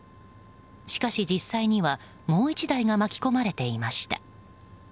しかし、実際にはもう１台が巻き込まれていました。